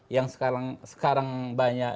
yang sekarang banyak